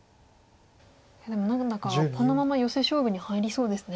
いやでも何だかこのままヨセ勝負に入りそうですね。